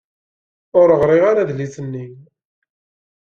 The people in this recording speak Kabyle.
Ur ɣriɣ ara adlis-nni.